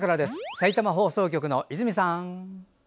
さいたま放送局の泉さん。